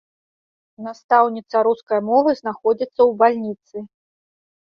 Настаўніца рускай мовы знаходзіцца ў бальніцы.